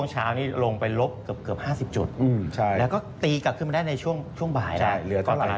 ใช่เหลือเท่าไหร่